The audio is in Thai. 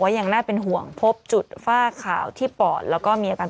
ยังน่าเป็นห่วงพบจุดฝ้าขาวที่ปอดแล้วก็มีอาการ